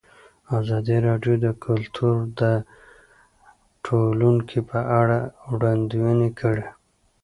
ازادي راډیو د کلتور د راتلونکې په اړه وړاندوینې کړې.